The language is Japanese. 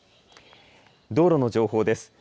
道路の情報です。